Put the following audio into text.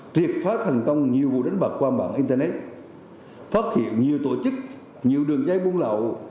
triệt phá thành công nhiều vụ đánh bạc qua mạng internet phát hiện nhiều tổ chức nhiều đường dây buôn lậu